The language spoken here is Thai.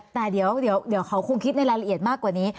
แต่เดี๋ยวเขาคงคิดในรายละเอียดมากกว่านี้